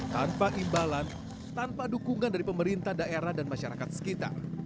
tanpa imbalan tanpa dukungan dari pemerintah daerah dan masyarakat sekitar